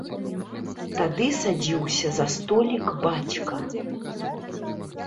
Тады садзіўся за столік бацька.